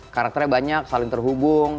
karakternya banyak saling terhubung